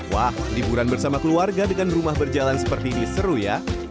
wah liburan bersama keluarga dengan rumah berjalan seperti ini seru ya